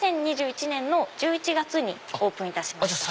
２０２１年の１１月にオープンいたしました。